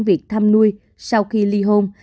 việc thăm nuôi sau khi ly hôn